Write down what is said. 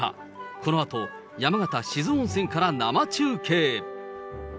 このあと、山形・志津温泉から生中継。